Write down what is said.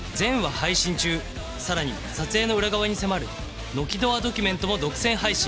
さらに撮影の裏側に迫る「ノキドアドキュメント」も独占配信